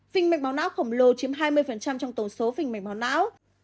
phình mạch máu não khổng lồ chiếm hai mươi trong tổng số phình mẩy máu não